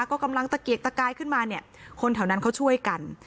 ก็กำลังตะเกียกตะกายขึ้นมาเนี่ยคนแถวนั้นเขาช่วยกัน